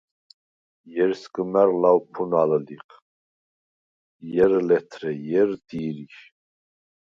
ჲერ სგჷმა̈რ ლავფუნალვ ლიხ, ჲერ – ლეთრე, ჲერ – დი̄რიშ.